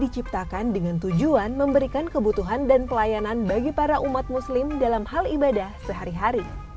diciptakan dengan tujuan memberikan kebutuhan dan pelayanan bagi para umat muslim dalam hal ibadah sehari hari